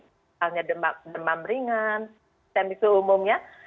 misalnya demam ringan sistem itu umumnya